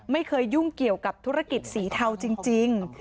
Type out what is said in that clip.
ไม่เคยยุ่งเกี่ยวกับธุรกิจสีเทาจริง